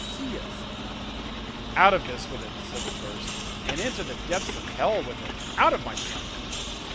'Out of this with it,' said the first, 'and into the depths of hell with it out of my sight.